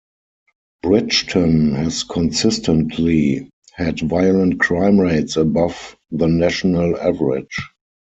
Bridgeton has consistently had violent crime rates above the national average.